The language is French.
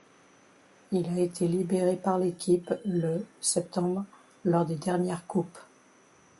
Il a été libéré par l'équipe le septembre lors des dernières coupes.